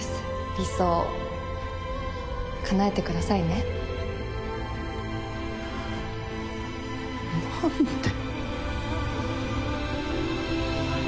理想叶えてくださいね何で。